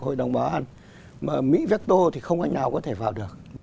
tôi đồng báo anh mỹ vector thì không ai nào có thể vào được